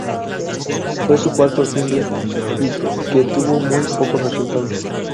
Fue su cuarto single, y que tuvo muy poco resultados.